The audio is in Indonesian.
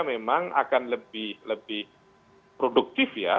memang akan lebih produktif ya